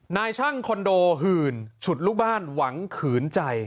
นายช่างคอนโดหื่นฉุดลูกบ้านหวังขืนใจ